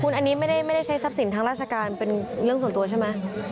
อันนี้ไม่ได้ใช้ทรัพย์สินทางราชการเป็นเรื่องส่วนตัวใช่ไหม